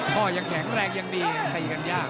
ก็ยังแข็งแรงยังดีตีกันยาก